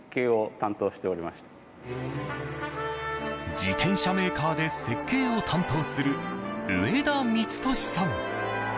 自転車メーカーで設計を担当する植田充俊さん。